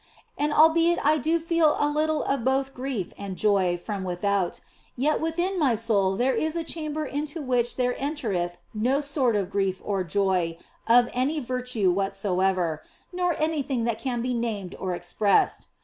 And albeit I do feel a little of both grief and joy from without, yet within my soul there is a chamber into which there entereth no sort of grief or joy of any virtue whatsoever, nor anything that can be named or expressed.